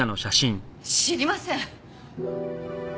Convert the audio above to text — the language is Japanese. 知りません。